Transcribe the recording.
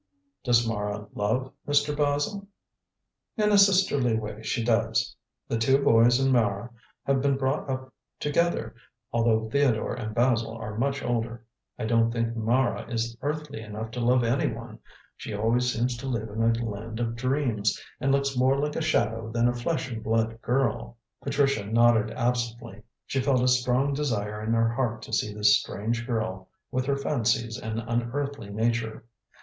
"Does Mara love Mr. Basil?" "In a sisterly way she does. The two boys and Mara have been brought up together, although Theodore and Basil are much older. I don't think Mara is earthly enough to love anyone. She always seems to live in a land of dreams, and looks more like a shadow than a flesh and blood girl." Patricia nodded absently. She felt a strong desire in her heart to see this strange girl with her fancies and unearthly nature.